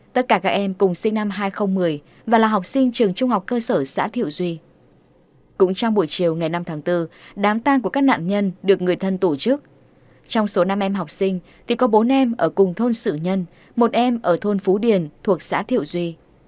trong số năm em học sinh thì có bốn em ở cùng thôn sự nhân một em ở thôn phú điền thuộc xã thiệu duy